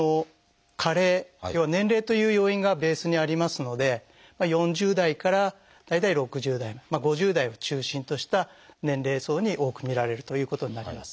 加齢要は年齢という要因がベースにありますので４０代から大体６０代５０代を中心とした年齢層に多く見られるということになります。